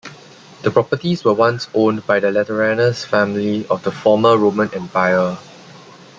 The properties were once owned by the Lateranus family of the former Roman Empire.